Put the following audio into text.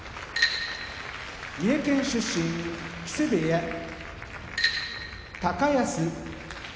三重県出身木瀬部屋高安